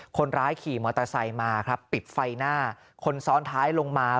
คนร้ายขี่มอเตอร์ไซค์มาครับปิดไฟหน้าคนซ้อนท้ายลงมา